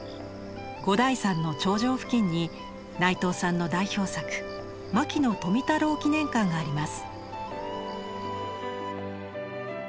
五台山の頂上付近に内藤さんの代表作牧野富太郎記念館があります。